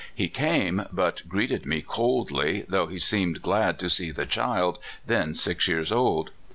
He came, but greeted me coldly, though he seemed glad to seo the child, then six years old.